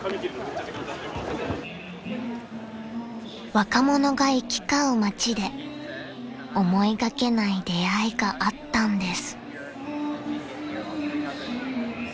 ［若者が行き交う街で思いがけない出会いがあったんです］